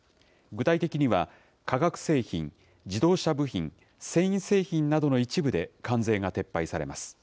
具体的には化学製品、自動車部品、繊維製品などの一部で関税が撤廃されます。